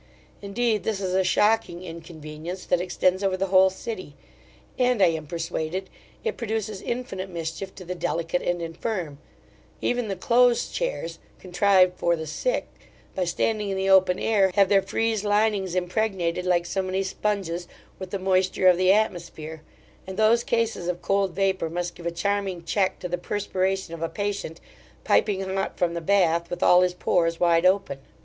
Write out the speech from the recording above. Indeed this is a shocking inconvenience that extends over the whole city; and, I am persuaded, it produces infinite mischief to the delicate and infirm; even the close chairs, contrived for the sick, by standing in the open air, have their frize linings impregnated like so many spunges, with the moisture of the atmosphere, and those cases of cold vapour must give a charming check to the perspiration of a patient, piping hot from the Bath, with all his pores wide open.